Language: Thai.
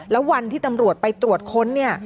แล้ววันที่ตำรวจไปตรวจค้นเนี่ย